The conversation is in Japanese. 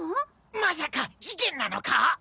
まさか事件なのか？